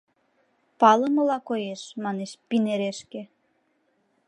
«Палымыла коеш», — манеш, пинерешке!